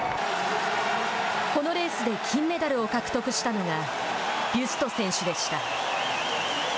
このレースで、金メダルを獲得したのがビュスト選手でした。